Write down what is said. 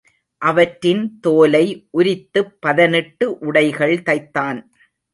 அவற்றின் தோலை உரித்துப் பதனிட்டு உடைகள் தைத்தான்.